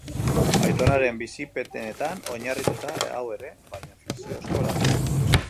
Aitonaren bizipenetan oinarrituta hau ere, baina fikziozko lana.